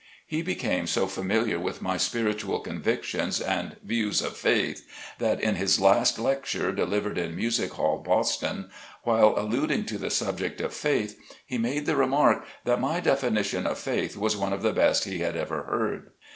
He became so familiar with my spiritual convictions, and views of faith, that in his last lecture delivered in Music Hall, Bos ton, while alluding to the subject of faith, he made the remark that my definition of faith was one of the best he had ever heard.